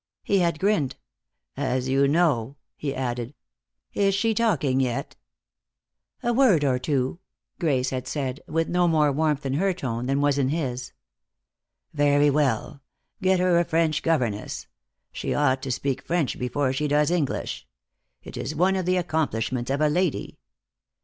He had grinned. "As you know," he added. "Is she talking yet?" "A word or two," Grace had said, with no more warmth in her tone than was in his. "Very well. Get her a French governess. She ought to speak French before she does English. It is one of the accomplishments of a lady.